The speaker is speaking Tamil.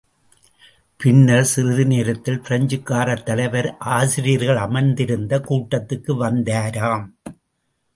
பின்னர்ச் சிறிது நேரத்தில் பிரெஞ்சுக்காரத் தலைவர் ஆசிரியர்கள் அமர்ந்திருந்த கூட்டத்துக்கு வந்தாராம்.